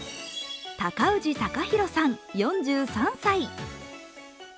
高氏貴博さん４３歳。